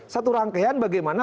satu rangkaian bagaimana